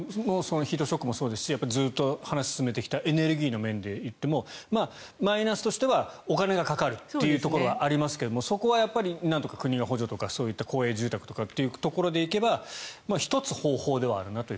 ヒートショックもそうですしずっと話を進めてきたエネルギーの面で言ってもマイナスとしてはお金がかかるというところはありますがそこはなんとか国が補助とかそういった公営住宅というところでいけば１つ方法ではあるなと。